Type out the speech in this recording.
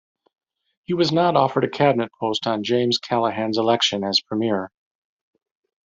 He was not offered a Cabinet post on James Callaghan's election as Premier.